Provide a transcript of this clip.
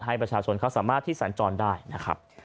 ให้ประชาชนเขาสามารถที่สัญจรได้นะครับ